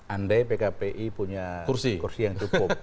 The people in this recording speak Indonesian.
andai pkpi punya kursi yang cukup